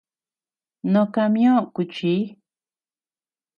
No camión kuchi.